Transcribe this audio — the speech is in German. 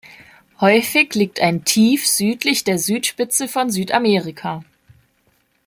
Häufig liegt ein Tief südlich der Südspitze von Südamerika.